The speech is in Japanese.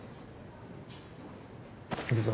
行くぞ。